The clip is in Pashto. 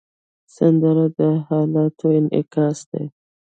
سندره د حالاتو انعکاس دی